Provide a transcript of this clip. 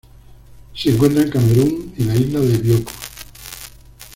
Se encuentra en Camerún y la isla de Bioko.